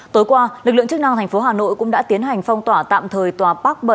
tối qua lực lượng chức năng thành phố hà nội cũng đã tiến hành phong tỏa tạm thời tòa bác bảy